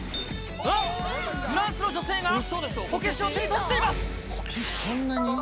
フランスの女性がこけしを手に取っています。